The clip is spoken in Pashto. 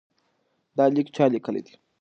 دا لیک چا لیکلی دی؟